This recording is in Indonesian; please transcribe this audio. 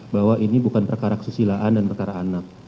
bahwa ini bukan perkara kesusilaan dan perkara anak